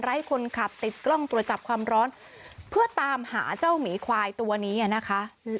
คนขับติดกล้องตรวจจับความร้อนเพื่อตามหาเจ้าหมีควายตัวนี้นะคะ